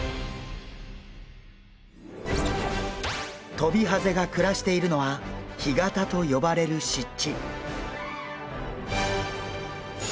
トビハゼが暮らしているのは干潟と呼ばれる湿地。